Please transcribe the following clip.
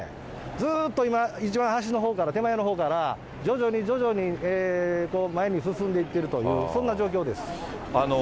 ずっと今、一番端のほうから、手前のほうから、徐々に徐々に、前に進んでいっているという、そんな状況です。